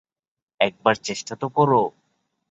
একবার চেষ্টা তো করো!